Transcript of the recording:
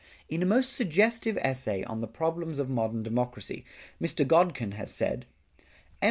In a most suggestive essay on the Problems of Modern Democracy, Mr. Godkin has said: M.